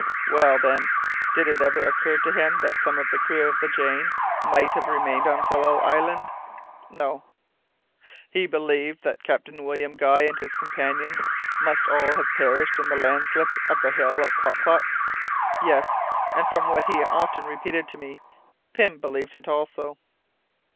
"Well, then, did it never occur to him that some of the crew of the Jane might have remained on Tsalal Island?" "No." "He believed that William Guy and his companions must all have perished in the landslip of the hill of Klock Klock?" "Yes, and from what he often repeated to me, Pym believed it also."